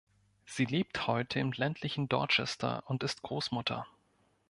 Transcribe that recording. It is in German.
Sie lebt heute im ländlichen Dorchester und ist Großmutter.